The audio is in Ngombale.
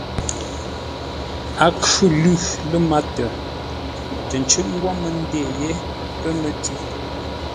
A khʉ̂ lʉ̂ lə́ mátə tə ncʉʼ́ ngwó mə́ ndê pə́ mətʉ̌.